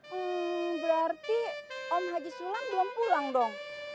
hmm berarti om haji sulat belum pulang dong